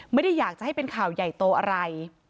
ไม่ได้อยากจะให้เป็นข่าวใหญ่โตอะไร